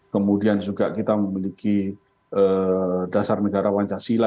kemudian juga kita memiliki dasar negara pancasila